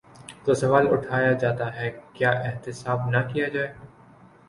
تو سوال اٹھایا جاتا ہے: کیا احتساب نہ کیا جائے؟